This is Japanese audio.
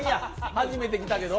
初めて着たけど？